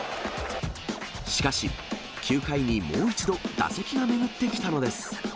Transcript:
しかし、９回にもう一度、打席が巡ってきたのです。